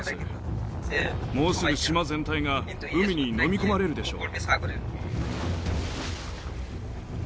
もうすぐ島全体が海にのみ込まれるでしょう。